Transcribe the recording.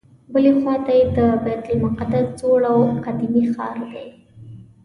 بلې خواته یې د بیت المقدس زوړ او قدیمي ښار دی.